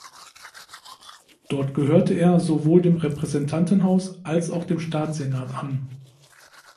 Dort gehörte er sowohl dem Repräsentantenhaus als auch dem Staatssenat an.